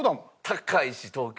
高いし東京。